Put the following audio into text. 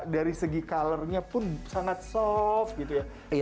dari segi colornya pun sangat soft gitu ya